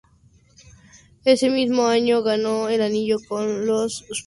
Ese mismo año ganó el anillo con los Spurs.